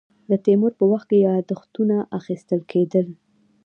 د تیمور په وخت کې یاداښتونه اخیستل کېدل.